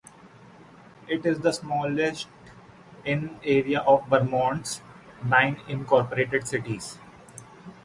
It is the smallest in area of Vermont's nine incorporated cities.